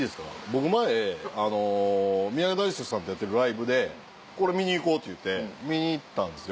僕前宮川大輔さんとやってるライブでこれ見に行こうって言うて見に行ったんですよ。